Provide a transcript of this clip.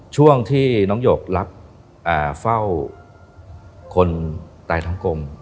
ช่วงที่น้องหยกรับเฝ้าคนตายทั้งกลม